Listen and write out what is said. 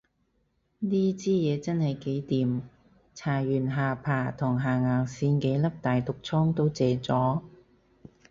呢支嘢真係幾掂，搽完下巴同下頷線幾粒大毒瘡都謝咗